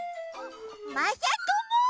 まさとも！